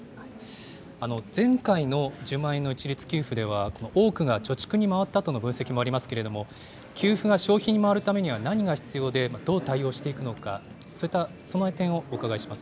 前回の１０万円の一律給付では、多くが貯蓄に回ったとの分析もありますけれども、給付が消費に回るためには何が必要で、どう対応していくのか、そういった点をお伺いします。